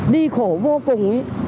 đi khổ vô cùng ý